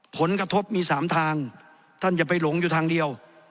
ผลกระทบมี๓ทางท่านอย่าไปหลงอยู่ทางเดียว